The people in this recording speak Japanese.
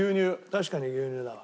確かに牛乳だ。